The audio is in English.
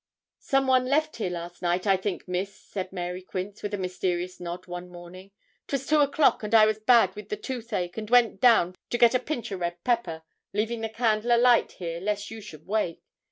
'Some one left here last night, I think, Miss,' said Mary Quince, with a mysterious nod, one morning. ''Twas two o'clock, and I was bad with the toothache, and went down to get a pinch o' red pepper leaving the candle a light here lest you should awake.